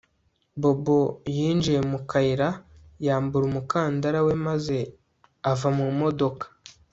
Bobo yinjiye mu kayira yambura umukandara we maze ava mu modoka